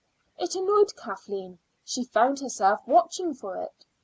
It annoyed Kathleen; she found herself watching for it.